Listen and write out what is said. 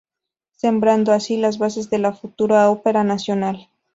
Sembrando así las bases de la futura ópera nacional.